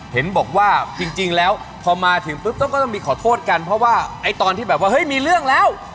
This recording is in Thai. เห็นบอกว่าจริงแล้วพอมาถึงปุ๊บต้องก็ต้องมีขอโทษกันเพราะว่าไอ้ตอนที่แบบว่าเฮ้ยมีเรื่องแล้ว